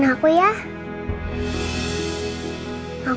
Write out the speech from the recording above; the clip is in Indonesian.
aku takut mimpi buah buahan